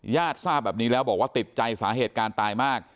ทราบแบบนี้แล้วบอกว่าติดใจสาเหตุการณ์ตายมาก